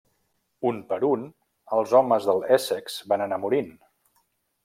Un per un els homes de l'Essex van anar morint.